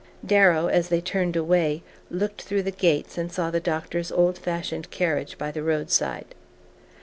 Darrow, as they turned away, looked through the gates, and saw the doctor's old fashioned carriage by the roadside.